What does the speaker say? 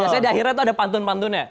biasanya di akhirnya tuh ada pantun pantunnya